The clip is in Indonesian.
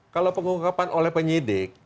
kalau pengungkapan oleh penyidik